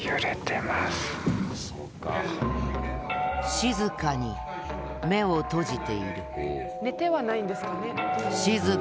静かに目を閉じている。